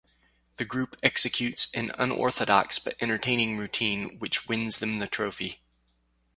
The group executes an unorthodox but entertaining routine which wins them the trophy.